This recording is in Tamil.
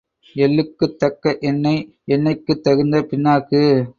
எள்ளுக்குத் தக்க எண்ணெய், எண்ணெய்க்குத் தகுந்த பிண்ணாக்கு.